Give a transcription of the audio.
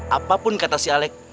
apapun kata si alek